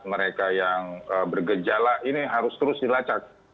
mereka yang bergejala ini harus terus dilacak